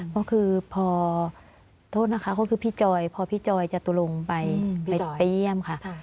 ก็คือพอโทษนะคะก็คือพี่จอยพอพี่จอยจตุลงไปไปเยี่ยมค่ะ